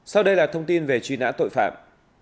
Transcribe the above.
sau đây là thông tin về truy nã tội phạm